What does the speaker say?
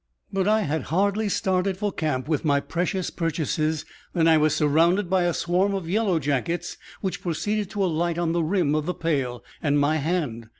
But I had hardly started for camp with my precious purchases than I was surrounded by a swarm of yellow jackets which proceeded to alight on the rim of the pail and my hand.